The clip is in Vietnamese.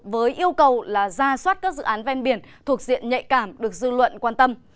với yêu cầu là ra soát các dự án ven biển thuộc diện nhạy cảm được dư luận quan tâm